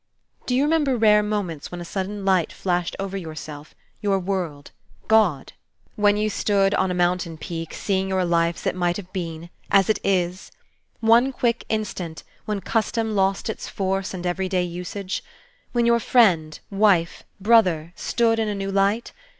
Do you remember rare moments when a sudden light flashed over yourself, your world, God? when you stood on a mountain peak, seeing your life as it might have been, as it is? one quick instant, when custom lost its force and every day usage? when your friend, wife, brother, stood in a new light?